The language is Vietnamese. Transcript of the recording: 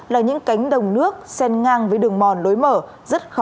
là những cánh đồng nước sen ngang với đường mòn đối mặt